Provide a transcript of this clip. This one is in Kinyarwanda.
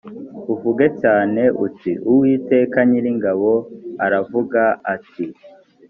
uvuge cyane uti uwiteka nyiringabo aravuga ati